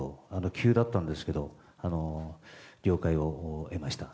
急だったんですけど了解を得ました。